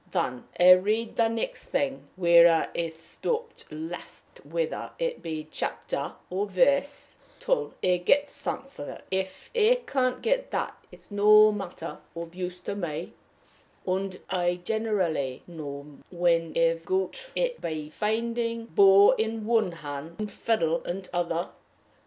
Then I read the next thing where I stopped last whether it be a chapter or a verse till I get the sense of it if I can't get that, it's no manner of use to me; and I generally know when I've got it by finding the bow in one hand and the fiddle in the other.